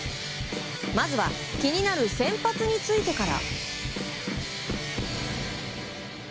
まずは気になる先発についてから。